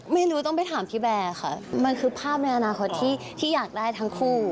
มันคือภาพในอนาคตที่อยากได้ทั้งคู่